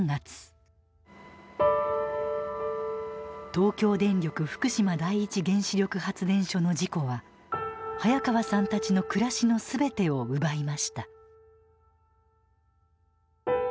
東京電力福島第一原子力発電所の事故は早川さんたちの暮らしの全てを奪いました。